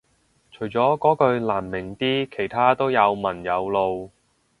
除咗嗰句難明啲其他都有文有路